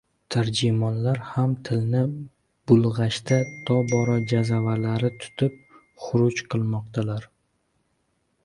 — tarjimonlar ham tilni bulg‘ashda tobora jazavalari tutib, xuruj qilmoqdalar.